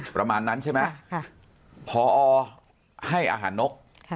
ประมาณนั้นใช่ไหมพอให้อาหารนก